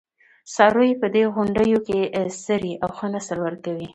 څاروي په دې غونډیو کې څري او ښه نسل ورکوي.